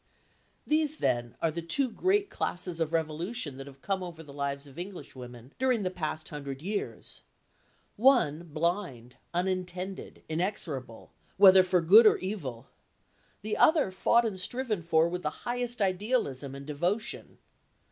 These, then, are the two great classes of revolution that have come over the lives of Englishwomen during the past hundred years. One blind, unintended, inexorable, whether for good or evil; the other fought and striven for with the highest idealism and devotion.